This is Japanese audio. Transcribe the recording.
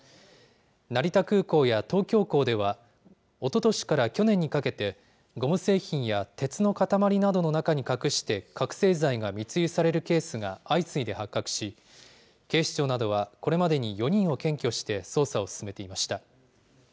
成田空港や東京港では、おととしから去年にかけて、ゴム製品や鉄の塊などの中に隠して覚醒剤が密輸されるケースが相次いで発覚し、警視庁などはこれまでに４人を検挙して、捜査を進めていました。